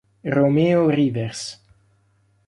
Romeo Rivers